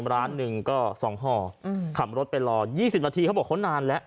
ร้านนึงก็สองห่อคำรถไปรอยี่สิบนาทีเขาบอกเขานานแล้ว